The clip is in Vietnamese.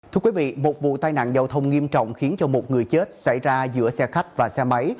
thưa quý vị một vụ tai nạn giao thông nghiêm trọng khiến cho một người chết xảy ra giữa xe khách và xe máy